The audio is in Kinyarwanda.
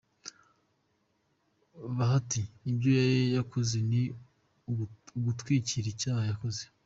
Bahati ibyo yakoze ni ugutwikira icyaha yakoze.